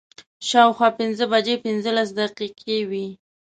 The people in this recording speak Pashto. شا او خوا پنځه بجې پنځلس دقیقې وې.